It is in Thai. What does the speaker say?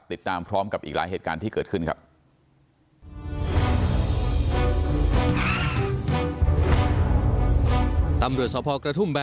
ติดตามพร้อมกับอีกหลายเหตุการณ์ที่เกิดขึ้นครับ